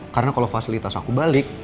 karena kalau fasilitas aku balik